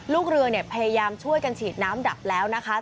ลูกเรือเนี่ยพยายามช่วยกันฉีดน้ำดับแล้วนะคะ